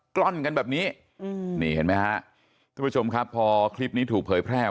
กล้งกันแบบนี้นี่เห็นไหมครับทุกผ่านนี้ถูกเผยแพร่